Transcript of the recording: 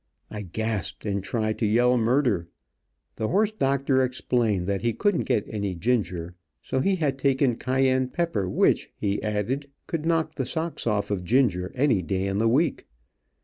I gasped and tried to yell murder. The horse doctor explained that he couldn't get any ginger, so he had taken cayenne pepper, which, he added, could knock the socks off of ginger any day in the week.